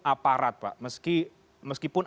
aparat pak meskipun